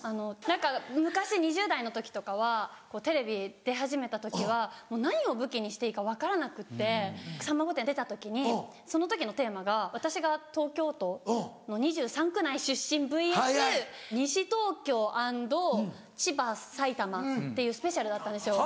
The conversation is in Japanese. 何か昔２０代の時とかはテレビ出始めた時はもう何を武器にしていいか分からなくって『さんま御殿‼』出た時にその時のテーマが私が東京都の２３区内出身ｖｓ西東京＆千葉埼玉っていうスペシャルだったんですよ。